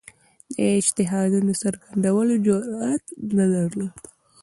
د اجتهادونو څرګندولو جرئت نه درلود